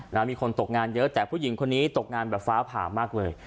แล้วมีคนตกงานเยอะแต่ผู้หญิงคนนี้ตกงานแบบฟ้าผ่ามากเลย